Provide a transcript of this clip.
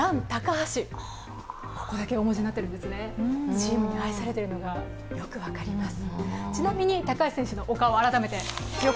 チームに愛されているのが、よく分かります。